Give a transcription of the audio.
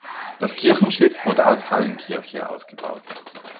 Das Kirchenschiff wurde als Hallenkirche ausgebaut.